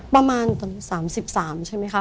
ประมาณ๓๓ใช่ไหมคะ